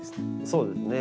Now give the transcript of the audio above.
そうですね。